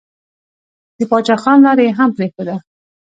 د پاچا خان لاره يې هم پرېښوده.